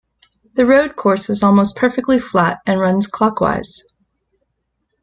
The road course is almost perfectly flat and runs clockwise.